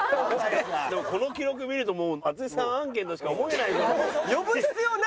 でもこの記録見るともう淳さん案件としか思えないけど。